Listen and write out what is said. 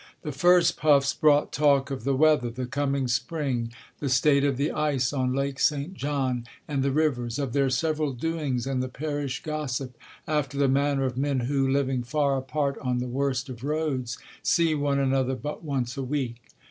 The first puffs brought talk of the weather, the coming spring, the state of the ice on Lake St. John and the rivers, of their several doings and the parish gossip; after the manner of men who, living far apart on the worst of roads, see one another but once a week.